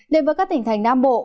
đến với các tỉnh thành nam bộ